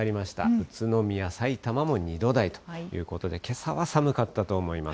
宇都宮、さいたまも２度台ということで、けさは寒かったと思います。